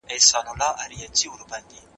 بنسټیزه څېړنه د بنیادی علم په مټ پرمخ ځي.